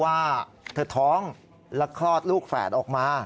กับท่าร์ท้องและครอดลูกแฝดออกมา